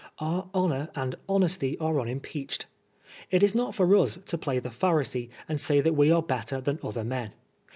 Our honor and honesty are unimpeached. It is not for us to play the Pharisee and say that we are better than other men.